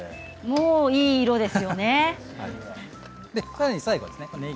もういい色ですよね。